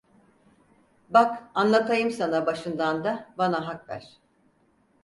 Bak, anlatayım sana başından da, bana hak ver.